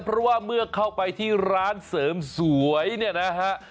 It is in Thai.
เพราะว่าเมื่อเข้าไปที่ร้านเสริมสวยเนี่ยนะฮะ